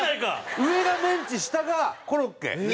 上がメンチ下がコロッケ。